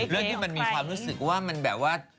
เรื่องที่มันมีความรู้สึกว่ามันแบบว่า